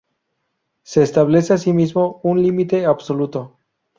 Se establece asimismo un límite absoluto.